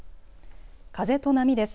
風と波です。